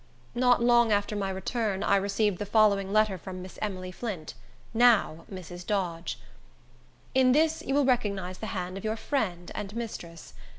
Not long after my return, I received the following letter from Miss Emily Flint, now Mrs. Dodge:— In this you will recognize the hand of your friend and mistress.